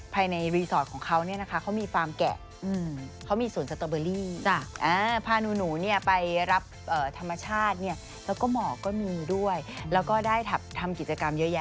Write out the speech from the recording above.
เพราะว่าเขามีกิจกรรมเยอะ